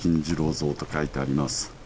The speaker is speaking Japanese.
像と書いてあります。